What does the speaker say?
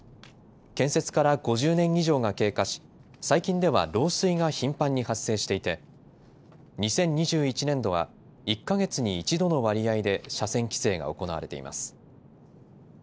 建設から５０年以上が経過し最近では漏水が頻繁に発生していて２０２１年度は１か月に１度の割合で車線規制が行われています。